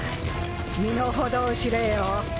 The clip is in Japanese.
身の程を知れよ。